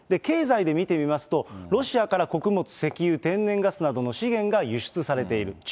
経済で見てみますと、ロシアから穀物、石油、天然ガスなどの資源が輸出されている。